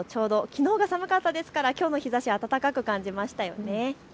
きのうが寒かったですから、きょうの日ざし暖かく感じましたよね。